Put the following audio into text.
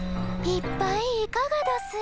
いっぱいいかがどす？